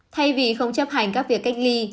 thay vì không chấp hành các việc cách ly